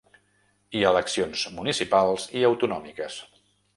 I eleccions municipals i autonòmiques.